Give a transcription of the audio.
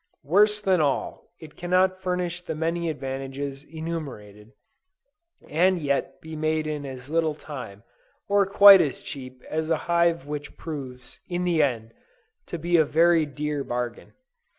Worse than all, it cannot furnish the many advantages enumerated, and yet be made in as little time, or quite as cheap as a hive which proves, in the end, to be a very dear bargain.